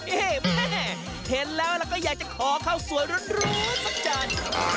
เฮ้แม่เห็นแล้วเราก็อยากจะขอเข้าสวนรุนสักจาน